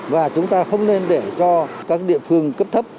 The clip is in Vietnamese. và chúng ta không nên để cho các địa phương cấp thấp